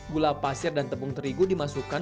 gula pasir dan tepung terigu dimasukkan